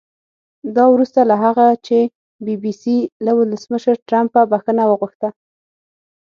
دا وروسته له هغه چې بي بي سي له ولسمشر ټرمپه بښنه وغوښته